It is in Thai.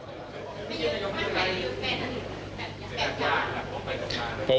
ไม่ยืนใครยืนแม่นั้น